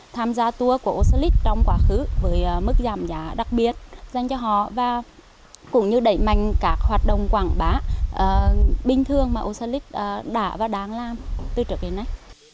tham gia tour của osalit trong quá khứ với mức giảm giá đặc biệt dành cho họ và cũng như đẩy mạnh các hoạt động quảng bá bình thường mà osalit đã và đang làm từ trước đến nay